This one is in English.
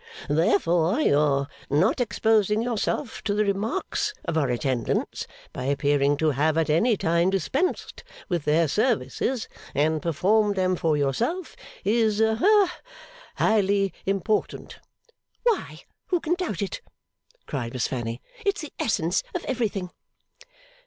Therefore, your not exposing yourself to the remarks of our attendants by appearing to have at any time dispensed with their services and performed them for yourself, is ha highly important.' 'Why, who can doubt it?' cried Miss Fanny. 'It's the essence of everything.